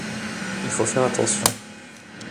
Il faut faire attention.